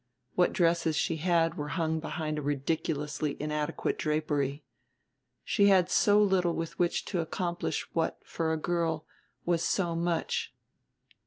What dresses she had were hung behind a ridiculously inadequate drapery. She had so little with which to accomplish what, for a girl, was so much.